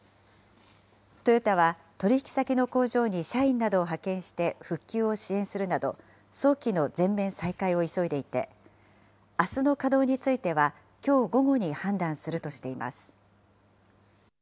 トヨタは取り引き先の工場に社員などを派遣して復旧を支援するなど、早期の全面再開を急いでいて、あすの稼働については、きょう午後に判断するとしています。